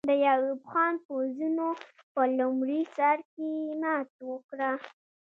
د ایوب خان پوځونو په لومړي سر کې ماته وکړه.